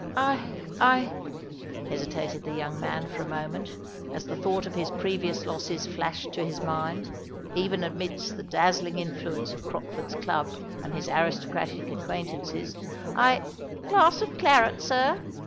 "I—I," hesitated the young man for a moment, as the thought of his previous losses flashed to his mind, even amidst the dazzling influence of Crockford's club and his aristocratic acquaintances: "I——" "Glass of claret, sir?"